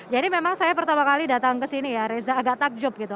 jadi memang saya pertama kali datang ke sini ya reza agak takjub gitu